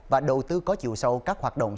và đầu tư có chiều sâu các hoạt động